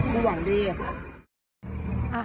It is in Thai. ไม่หวังดีค่ะ